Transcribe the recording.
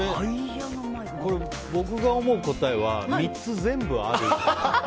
僕が思う答えは３つ全部ある。